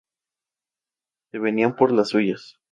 Se venían por las suyas.